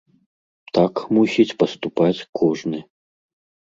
Так мусіць паступаць кожны.